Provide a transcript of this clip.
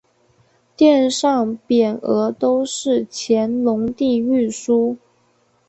殿上匾额都是乾隆帝御书。